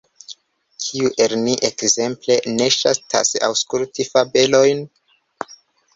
Kiu el ni ekzemple ne ŝatas aŭskulti fabelojn?